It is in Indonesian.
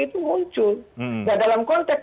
itu muncul nah dalam konteks